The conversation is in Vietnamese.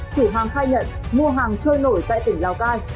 chủ hàng khai nhận mua hàng trôi nổi tại tỉnh lào cai